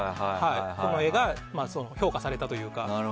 この絵が評価されたというか。